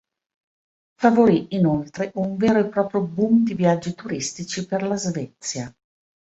Favorì inoltre un vero e proprio boom di viaggi turistici per la Svezia.